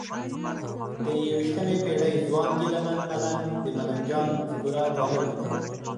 د یویشتمې پېړۍ ځوان ګیله من ملنګ د ملنګ جان مفکوره پاللې؟